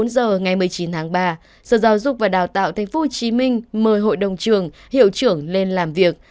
bốn giờ ngày một mươi chín tháng ba sở giáo dục và đào tạo tp hcm mời hội đồng trường hiệu trưởng lên làm việc